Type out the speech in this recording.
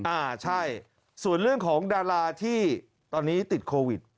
อ่าใช่ส่วนเรื่องของดาราที่ตอนนี้ติดโควิด